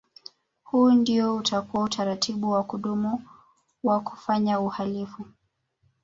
Huo ndio utakuwa utaratibu wa kudumu wa kufanya uhalifu